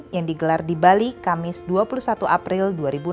yang digelar di bali kamis dua puluh satu april dua ribu enam belas